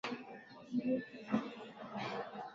muhimu cha Oxgen nacho kiharibiwe lazima tulinde